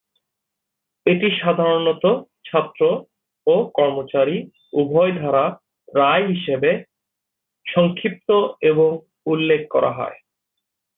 এটি সাধারণত ছাত্র ও কর্মচারী উভয় দ্বারা 'রায়' হিসাবে সংক্ষিপ্ত এবং উল্লেখ করা হয়।